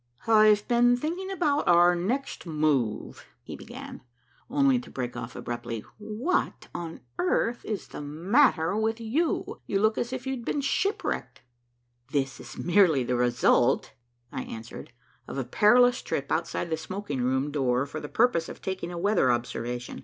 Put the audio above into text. "I've been thinking about our next move," he began, only to break off abruptly. "What on earth is the matter with you? You look as if you had been shipwrecked." "This is merely the result," I answered, "of a perilous trip outside the smoking room door for the purpose of taking a weather observation.